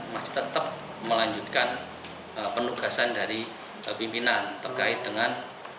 masih tetap melanjutkan penugasan dari pimpinan terkait dengan